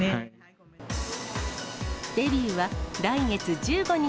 デビューは来月１５日。